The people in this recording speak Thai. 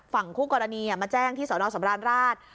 ฝั่งคู่กรณีมาแจ้งที่สนสำราญราช